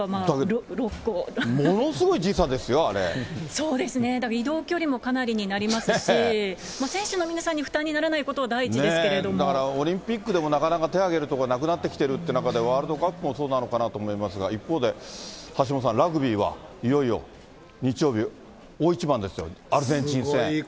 だからものすごい時差ですよ、そうですね、移動距離もかなりになりますし、選手の皆さんに負担にならないことが第一ですけだからオリンピックでもなかなか手挙げるとこなくなってきてるっていう中で、ワールドカップもそうなのかなと思いますが、一方で橋下さん、ラグビーはいよいよ、日曜日、大一番ですよ、アルゼンチン戦。